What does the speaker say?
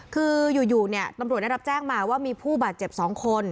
คืออยู่เนี่ยตำรวจได้รับแจ้งมาว่ามีผู้บาดเจ็บ๒คน